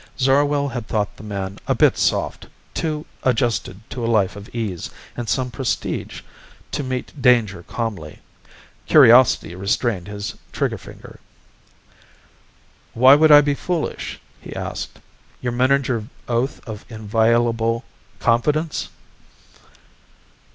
Zarwell had thought the man a bit soft, too adjusted to a life of ease and some prestige to meet danger calmly. Curiosity restrained his trigger finger. "Why would I be foolish?" he asked. "Your Meninger oath of inviolable confidence?"